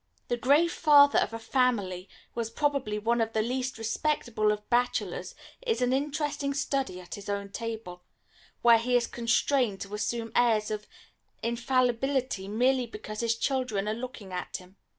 The grave father of a family, who was probably one of the least respectable of bachelors, is an interesting study at his own table, where he is constrained to assume airs of infallibility merely because his children are looking at him.